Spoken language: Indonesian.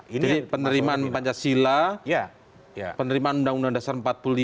jadi penerimaan pancasila penerimaan undang undang dasar empat puluh lima